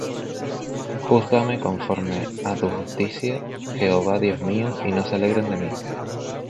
Júzgame conforme á tu justicia, Jehová Dios mío; Y no se alegren de mí.